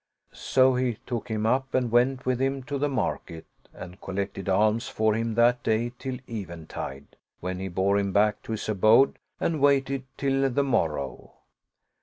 So he took him up and went with him to the market and collected alms for him that day till eventide, when he bore him back to his abode and waited till the morrow.